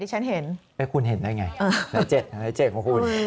ดิฉันเห็นคุณเห็นได้ไงไหนเจ็ดไหนเจ็ดของคุณ